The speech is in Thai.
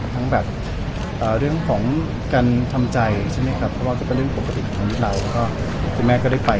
ทั้งแบบเรื่องของการทำใจใช่ไหมครับเพราะว่ามันก็เรื่องปกติของชีวิตเราก็คุณแม่ก็ได้ไป